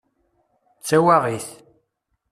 D tawaɣit!